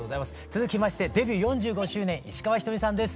続きましてデビュー４５周年石川ひとみさんです。